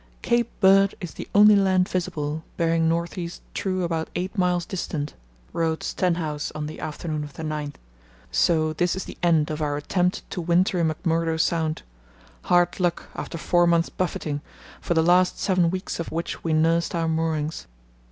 "Cape Bird is the only land visible, bearing north east true about eight miles distant," wrote, Stenhouse on the afternoon of the 9th. "So this is the end of our attempt to winter in McMurdo Sound. Hard luck after four months' buffeting, for the last seven weeks of which we nursed our moorings.